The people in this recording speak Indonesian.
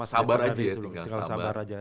sabar aja ya tinggal sabar